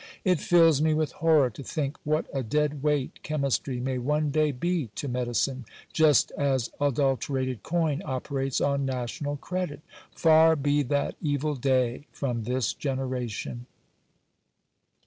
It fills me with horror to think what a dead weight chemistry may one day be to medicine, just as adulterated coin operates on national credit. Far be that evil day from this generation.